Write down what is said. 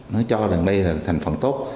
nó cho rằng đây là thành phần tốt